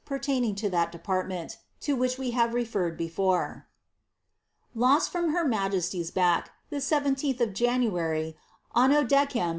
pertaining to that department, to which we have referred before :— Lo5t ffom her majesty's back, the 17th of January, anno 10 R.